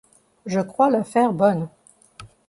Je crois l’affaire bonne.